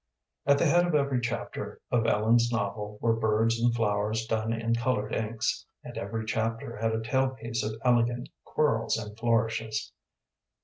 At the head of every chapter of Ellen's novel were birds and flowers done in colored inks, and every chapter had a tail piece of elegant quirls and flourishes.